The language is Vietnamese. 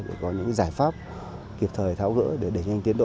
để có những giải pháp kịp thời tháo gỡ để đẩy nhanh tiến độ